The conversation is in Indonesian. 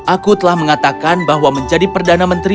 aku telah mengatakan bahwa menjadi perdana menteri